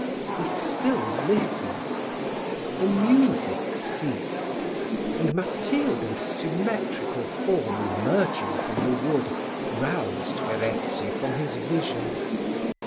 He still listened the music ceased and Matilda's symmetrical form emerging from the wood, roused Verezzi from his vision.